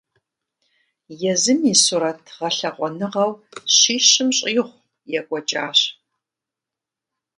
Езым и сурэт гъэлъэгъуэныгъэу щищым щӀигъу екӀуэкӀащ.